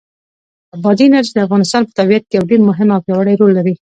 بادي انرژي د افغانستان په طبیعت کې یو ډېر مهم او پیاوړی رول لري.